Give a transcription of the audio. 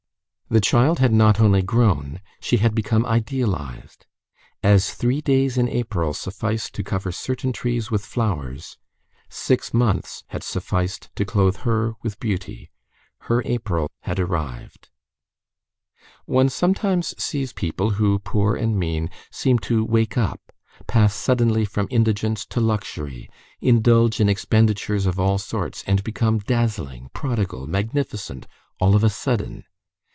This child had not only grown, she had become idealized. As three days in April suffice to cover certain trees with flowers, six months had sufficed to clothe her with beauty. Her April had arrived. One sometimes sees people, who, poor and mean, seem to wake up, pass suddenly from indigence to luxury, indulge in expenditures of all sorts, and become dazzling, prodigal, magnificent, all of a sudden.